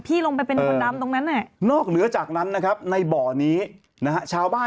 เผ่าเหนือจากนั้นนะครับในบ่อนี้นะฮะชาวบ้าน